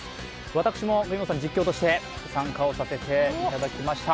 私も実況として参加させていただきました。